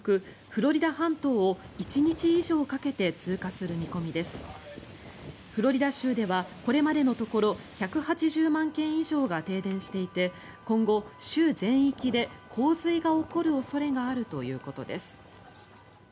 フロリダ州ではこれまでのところ１８０万軒以上が停電していて今後、州全域で洪水が起こる恐れがあるということです。